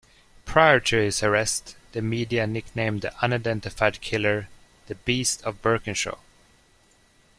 Prior to his arrest, the media nicknamed the unidentified killer "the Beast of Birkenshaw".